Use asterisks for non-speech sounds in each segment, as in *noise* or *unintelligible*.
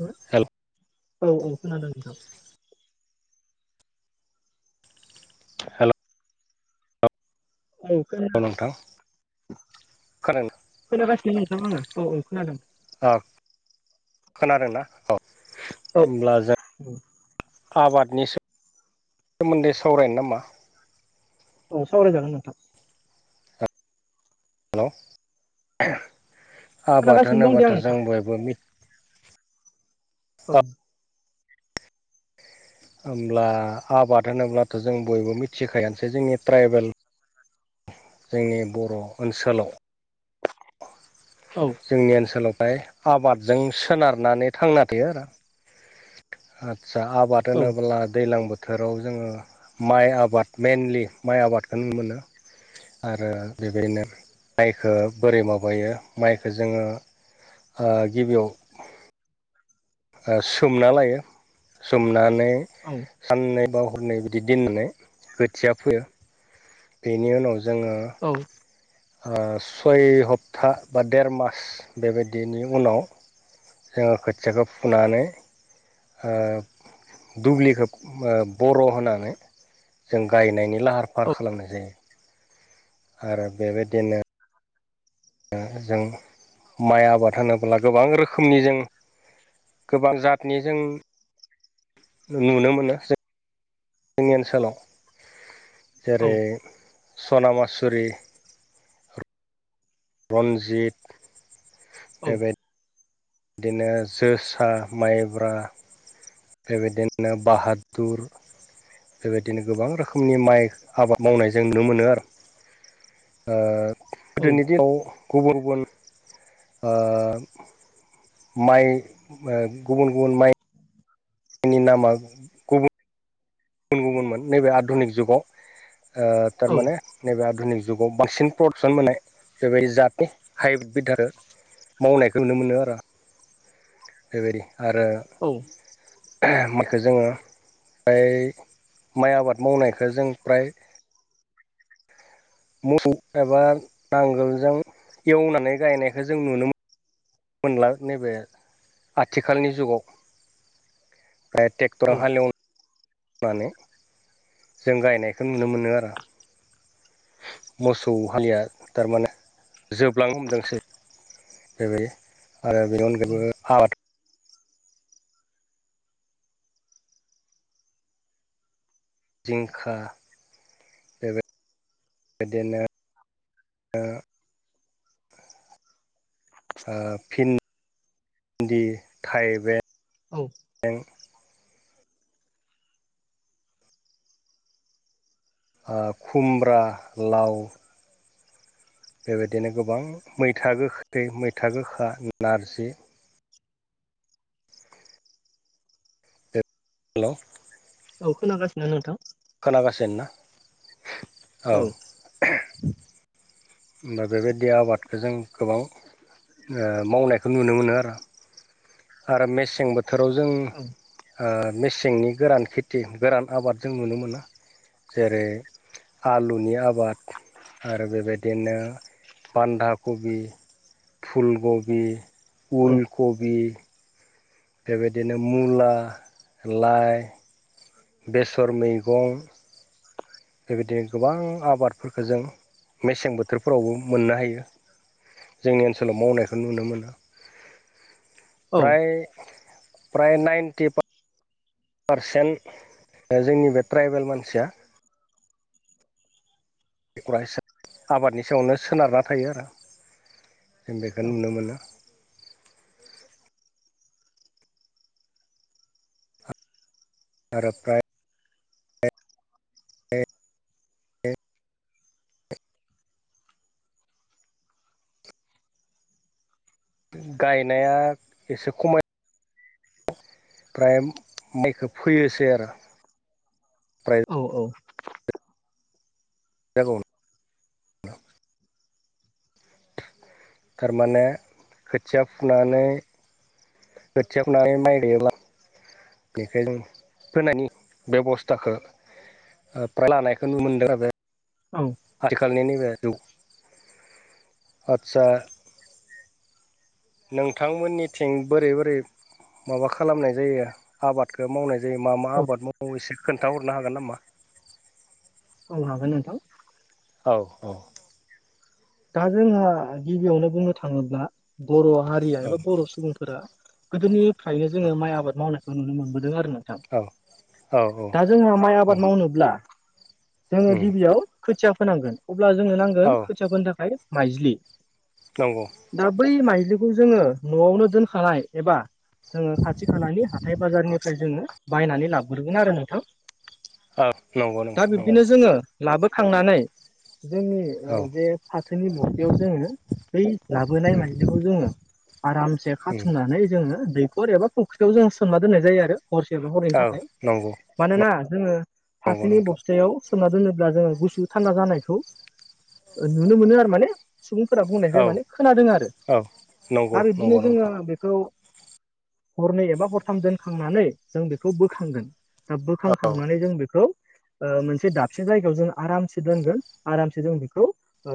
हो हेल' औ औ खोनादों नोंथां हेल' औ खोन नोंथां खोनादों खोनागासिनो नंथां आङो औ औ खोनादों औ खोनादोंनाा औ औ होमब्ला जों औ आबादनि सोमोन्दै सावरायनो नामा औ सावराय जागोन नोंथा हेल' आबाद खोनागासिनो दं दे आं होनोबाथ' नोंथां जों बयबो मिथ औ होमब्ला आबाद होनोब्लाथ' जों बयबो मिथिखायसै जोंनि ट्राइबेल जोंनि बर' ओनसोलाव *inaudible* औ जोंनि ओनसोलावहाय आबादजों सोनारनानै थांना थायो आरो आदसा आबाद औ होनोब्ला दैलां बोथ बोथोराव जोङो माइ आबाद मेनलि माइ आबादखौ *unintelligible* मोनो आरो बेबायनो माइखो बोरै माबायो माइखो जोङो ओ गिबियाव सोमना लायो सोमनानै औ साननै बा हरनै बिदि दोननानै खोथिया फोयो बेनि उनाव जोङो औ ओ सय हप्ता बा देर मास बेबायदिनि उनाव जोङो खोथिखौ फुनानै ओ दुब्लिखौ ओ बर' होनानै जों गायनायनि लाहार फाहार खालामनाय जायो आरो बेबायदिनो ओ जों माइ आबाद होनोब्ला गोबां रोखोमनि जों गोबां जातनि जों नुनो मोनो जे जोंनि ओनसोलाव औ जेरै सना मासुरि रनजित बेबायद बिदिनो जोसा माइब्रा बेबायदिनो बाहादुर बेबायदिनो गोबां रोखोमनि माइ आबाद मावनाय जों नुनो मोनो आरो ओ गोदोनि दिनाव गुबुन गुबुन ओ माइ ओ गुबुन गुबुन माइ *unintelligible* नि नामा गुबुन गुबुन गुबुनमोन नैबे आधुनिक जुगाव ओ थारमाने नैबे आधुनिक जुगाव बांसिन प्रडाकसन मोननाय बेबायदि जातनि हाइब्रिद आरो मावनायखौ नुनो मोनो आरो बेबायदि आरो औ माइखौ जोङो फ्राय माइ आबाद मावनायखौ जों फ्राय मोसौ एबा नांगोलजों एवनानै गायनायखौ जों नुनो मो मोनला नैबे आथिखालनि जुगाव *unintelligible* टेक्टराव औ हालेवनानै जों गायनायखौ नुनो मोनो आरो मोसौ हालिया थारमाने जोबलांनो हमदोंसै बेबायदि आरो बेनि अनगायैबो आबाद जिंखा बिदिनो ओ ओ फिन भिन्दी, थाइबें ओ खुमब्रा, लाव बेबायदिनो गोबां मैथा गोखै, मैथा गोखा, नारजि हेल' औ खोनागासिनो नोंथां खोनागासिनो ना? औ होमबा बेबायदि आबादखौ जों गोबां ओ मावनायखौ नुनो मोनो आरो। आरो मेसें बोथोराव जों औ ओ मेसेंनि गोरान खेथि गोरान आबाद जों नुनो मोनो। जेरै आलुनि आबाद आरो बेबायदिनो बान्दा कबि फुलकबि, औ उलकबि बेबायदिनो मुला, लाइ बेसर मैगं बेबायदिनो गोबां आबादफोरखो जों मेसें बोथोरफोरावबो मोननो हायो। जोंनि ओनसोलाव मावनायखौ नुनो मोनो। *unintelligible* फ्राय फ्राय नाइन्टि पारसेन्ट जोंनि बे ट्राइबेल मानसिया *unintelligible* आबादनि सायावनो सोनारना थायो आरो जों बेखौ नुनो मोनो। आरो फ्राय *unintelligible* गायनाया एसे खमाय फ्राय माइखो फोयोसै आरो। फ्राय औ औ जागौ थारमाने खोथिया फुनानै *unintelligible* बेखायनो फोनायनि बेबस्थाखो *unintelligible* औ आथिखालनि नैबे जुग आदसा नोंथांमोननिथिं बोरै बोरै माबा खालामनाय जायो आबादखौ मावनाय जायो मा मा औ आबाद मावो एसेोर खोन्थााहरनो हागोन नामा? औ हागोन नोंथां। औ औ दा जोंहा गिबियावनो बुंनो थाङोब्ला बर' हारिया एबा बर' सुबुंफोरा गोदोनिफ्रायनो जोङो माइ आबाद मावनायखौ नुनो मोनबोदों आरो नोंथां। औ औ औ दा जोंहा माइ आबाद मावनोब्ला जोङो गिबियाव खोथिया फोनांगोन अब्ला जोंनो नांगोन गोन खोथियाफोनो थाखाय माइज्लि। नंगौ दा बै माइज्लिखौ जोङो न'आवनो दोनखानाय एबा जोङो खाथि खालानि हाथाय बाजारनिफ्राय जोङो बायनानै लाबग्रोगोन आरो नोंथां। नंगौ दा नोंथां नंगौ बिबदिनो जोङो लाबोखांनानै जोंनि औ ओ जे फाथोनि बस्थायाव जोङो बै लाबोनाय उम माइज्लिखौ जोङो आरामसे उम खाथुमनानै जोङो दैखर एबा फुख्रियाव जों सोमना दोननाय जायो आरो। हरसे बा हरैनि औ थाखाय नंगौ मानोना जोङो नंगौ फाथोनि नोंथां बस्थायाव खोबना दोनोब्ला जोङो गुसु थान्दा जानायखौ ओ नुनो मोनो आरो माने सुबुंफोरा बुंनायखाय औ माने खोनादों आरो औ नंगौ दा नंगौ बिबदिनो नोंथां जोङो बेखौ हरनै एबा हरथाम दोनखांनानै जों बेखौ बोखांगोन दा औ बोखांखांनानै जों बेखौ ओ मोनसे दाबसे जायगायाव जों आरामसे दोनगोन आरामसे जों बेखौ ओ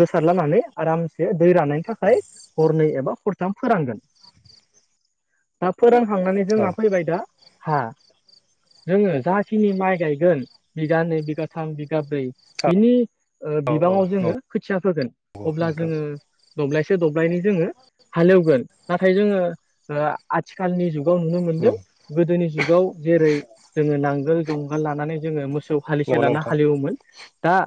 गोसारलानानै आरामसे दै रानायनि थाखाय हरनै एबा हर थाम फोरानगोन दा फोरानखांनानै औ जोंहा फैबाय दा हा जोङो जाखिनि माइ गायगोन बिगानैै बिगाथाम बिगाब्रै बिनि ओ बिबाङाव जोङो नंगौ खोथिया फोगोन अब्ला नोंथां जोङो दब्लायसे दब्लायनै जोङो हालेवगोन नाथाय जोङो ओ आथिखालनि जुगाव नुनो मोनदों उम गोदोनि जुगाव जेरै जोङो नांगोल जुंगाल लानानै जोङो मोसौ हालिसे नंगौ लाना नोंथां हालेवोमोन दा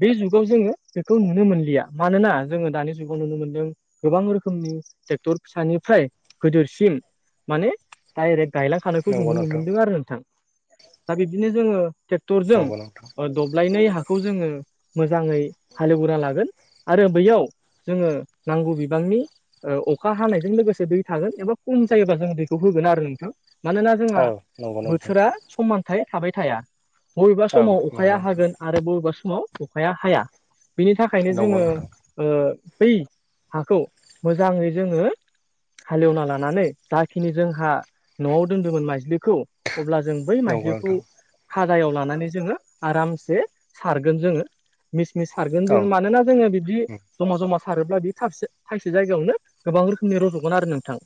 बे जुगाव जोङो बेखौ नुनो मोनलिया मानोना जोङो दानि जुगाव नुनो मोनदों गोबां रोखोमनि टेक्टर फिसानिफ्राय गोदोरसिम माने डाइरेक्ट गायलांखानायखौ जोङो नंगौ नुनो नोंथां मोनदों आरो नोंथां दा बिब्दिनो जोङो टेक टुरजों नंगौ नोंथां ओ दब्लायनै हाखौ जोङो मोजाङै हालेवग्रोना लागोन आरो बैयाव जोङो नांगौ बिबांनि ओ अखा हानायजों लोगोसे दै थागोन एबा खम जायोबा जों दैखौ होगोन आरो नोंथां। मानोना जोंहा औ नंगौ नोंथां बोथोरा समानथाय थाबाय थाया। बबेबा औ समाव नंगौ अखाया नोंथां हागोन आरो बबेबा समाव अखाया हाया बेनि थाख खायनो नंगौ जोङो ओ बै हाखौ मोजाङै जोङो हालेवना लानानै जाखिनि जोंहा न'आव दोनदोंमोन माइज्लिखौ अब्ला जों बै माइज्लिखौ नोंथां नंगौ नोंथां खादायाव लानानै जोङो आरामसे सारगोन जोङो। मिसमिस सारगोन औ जोङो मानोना जोङो बिब्दि उम जमा जमा सारोब्ला बे थाबसे थाइसे जायगायावनो गोबां रोखोमनि रज'गोन आरो नोंथां।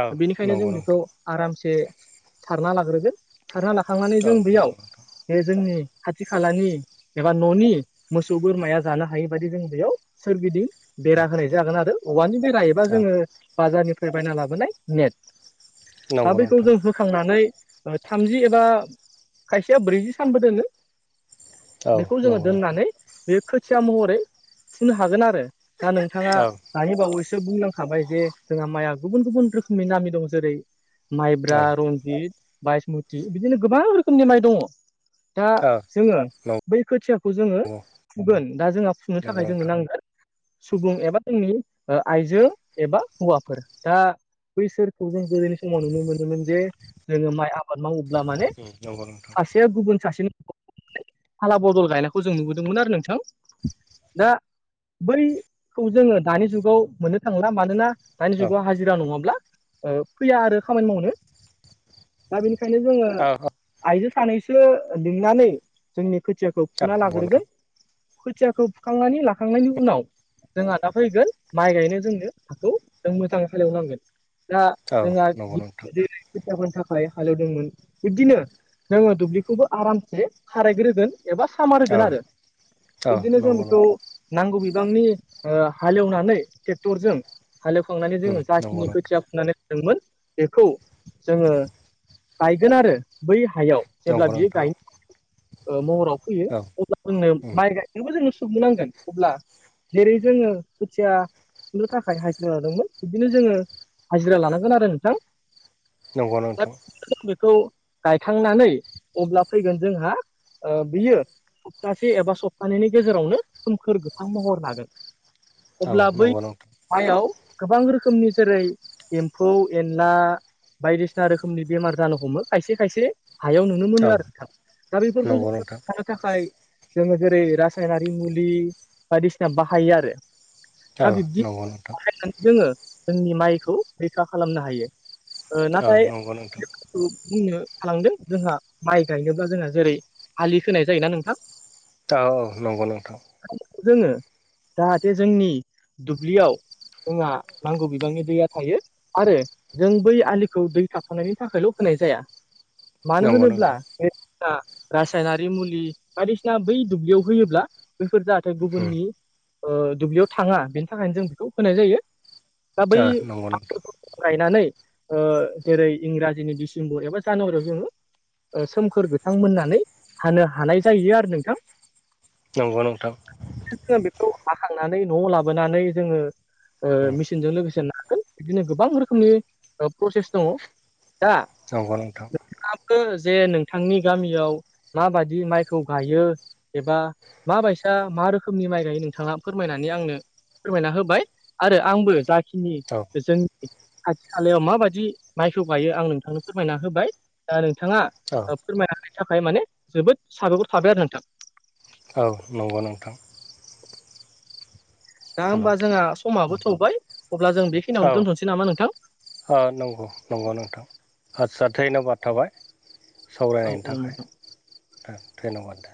औ बेनिखायनो जों नंगौ बिखौ नोंथां आरामसे सारना लाग्रोगोन सारना लाखांनानै औ जों नंगौ बेयाव बे जोंनि खाथि खालानि एबा न'नि मोसौ बोरमाया जानो हायै बायदि जों बेयाव सोरगिदिं औ बेरा होनाय जागोन आरो औवानि बेरा एबा औ जोङो बाजारनिफ्राय बायना लाबोनाय नेट दा नंगौ बैखौ नोंथां जों हो खांनानै ओ थामजि एबा खायसेया ब्रैजि सानबो दोनो। औ बेखौ नंगौ जोङो नोंथां दोननानै बे खोथिया महरै फुनो हागोन आरो। दा नोंथाङा औ दानि बावैसो बुंलांखाबाय जे जोंहा माइआ गुबुन गुबुन रोखोमनि नामि दं जेरै माइब्रा औ रनजित बायसमुति बिदिनो गोबां रोखोमनि माइ दङ। दा औ जोङो बै खोथियाखौ जोङो नंगौ फुगोन दा जोंहा फुनो नंगौ थाखाय नोंथां जोंनो नांगोन सुबुं एबा जोंनि ओ आइजो एबा हौवाफोर दा बैसोरखौ जों गोदोनि समाव नुनो मोनोमोन जे जोङो माइ आबाद मावोब्ला माने नंगौ नोंथां सासेया गुबुन सासेनि फाला बदल गायनायखौ जों नुबोदों। दोंमोन आरो नोंथां दा बैखौ जोङो दानि जुगाव मोननो थांला मानोना दानि औ जुगाव हाजिरा नङाब्ला फैया आरो खामानि मावनो दा बेनिखायनो जोङो औ आइजो सानैसो लिंनानै जोंनि खोथियाखौ फुना लाग्रोगोन *inaudible* खोथियाखौ फुखांनानै लाखांनायनि उनाव जोंहा दा फैगोन माइ गायनो जोंनो हाखौ जों मोजाङै हालेवनांगोन दा औ जोंहा नंगौ *unintelligible* नोंथां खोथिया फोनो थाखाय हालेवदोंमोन बिब्दिनो जोङो दुब्लिखौबो आरामसे खारायग्रोगोन एबा सामार औ होगोन आरो। औ बिदिनो जों नंगौ बेखौ नोंथां नांगौ बिबांनि ओ हालेवनानै टेक्टरजों हालेवखांनानै जोङो नंगौ जाखिनि नोंथां खोथिया फुनानै बेखौ जोङो गायगोन आरो बै हायाव जेब्ला नंगौ बियो नोंथां गायनो महराव फैयो औ अब्ला जोंनो माइ गायनोबो जोंनो फुनांगोन अब्ला जेरै जोङो खोथिया फुनो थाखाय हाजिरा लादोंमोन बिदिनो जोङो हाजिरा लानांगोन आरो नोंथां नंगौ दा नोंथां बेखौ गायखांनानै अब्ला फैगोन जोंहा बियो सप्तासे एबा सप्तानैनि गेजेरावनो सोमखोर गोथां महर लागोन औ अब्ला बै नंगौ नोंथां माइयाव गोबां रोखोमनि जेरै एम्फौ एनला बायदिसिना रोखोमनि बेमार जानो हमो खायसे खायसे हायाव नुनो मोनो औ आरो दा बेफोरखौ नंगौ जों नोंथां औ नंगौ नोंथां औ हौबथानो थाखाय जोङो जेरै रासायनारि मुलि बायदिसिना बाहायो आरो दा ओ बिब्दि नंगौ नोंथां बाहायनानै जोङो जोंनि माइखौ रैखा खालामनो हायो औ नाथाय नंगौ नोंथां बुंनो थालांदों जोंहा माइ गायनोब्ला जोंहा जेरै आालि खोनाय जायोना नोंथां औ औ नंगौ नोंथां जोङो जाहाथे जोंनि दुब्लियाव जोंहा नांगौ बिबांनि दैया थायो आरो जों बै आलिखौ दै थाबथानायनि थाखायल' खोनाय जाया मानो नंगौ होनोब्ला नोंथां रासायनारि मुलि बायदिसिना बै दुब्लियाव होयोब्ला बैफोर जाहाथे औ गुबुननि दुब्लियाव थाङा बेनि थाखायनो जों बेखौ खोनाय जायो दा बै नंगौ नोंथां हाफोरखौ गायनानै जेरै इंराजिनि डिसेम्बर एबा जानुवारियाव जोङो सोमखोर गोथां मोननानै हानो हानाय जायो आरो नोंथां नंगौ नोंथां जोङो बेखौ हाखांनानै न'आव लाबोनानै जोङो औ मेसिनजों लोगोसे नागोन बिदिनो गोबां रोखोमनि प्रसेस दङ दा औ नंगौ नोंथां नोंथाङा जे नोंथांनि गामियाव माबायदि माइ खौ गायो एबा मा बायसा मा रोखोमनि माइ गायो नोंथाङा फोरमायनानै आंनो फोरमायना होबाय, आरो आंबो जाखिनि *unintelligible* जोंनि खाथि खालायाव माबायदि माइखौ गायो आं नोंथांनो फोरमायना होबाय। दा नोंथाङा *unintelligible* फोरमायनायनि थाखाय माने, जोबोद साबायखर थाबाय आरो नोंथां। औ नंगौ नोंथां। दा हेल' होमबा जोंहा समाबो थौबाय अब्ला, जों बेखिनियावनो दोनथ'नोसै नामा नोंथां? ओ नंगौ नंगौ नोंथां आस्सा धन्बाद औ थाबाय। सावरायनायनि औ नोंथां थाखाय धन्य'बाद दे।